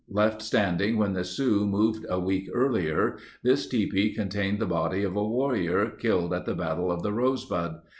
Left standing when the Sioux moved a week earlier, this tipi con tained the body of a warrior killed at the Battle of the Rosebud.